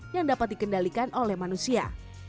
yang dapat dikendalikan oleh manusia